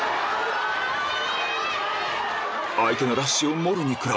・相手のラッシュをもろに食らう・